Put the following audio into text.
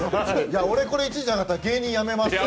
俺これ１位じゃなかったら芸人辞めます。